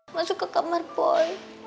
masuk ke kamar boy